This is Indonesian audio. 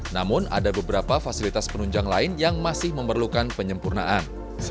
namun ada beberapa fasilitas penunjang lain yang masih memerlukan penyempurnaan